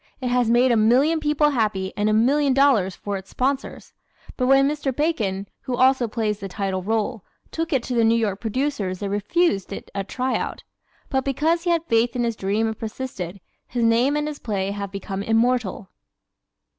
It has made a million people happy and a million dollars for its sponsors. But when Mr. Bacon, who also plays the title role, took it to the New York producers they refused it a try out. But because he had faith in his dream and persisted, his name and his play have become immortal.